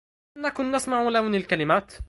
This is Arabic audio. لم نكن نسمع لون الكلمات